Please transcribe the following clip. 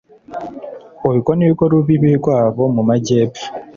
urwo ni rwo rubibi rwabo mu majyepfo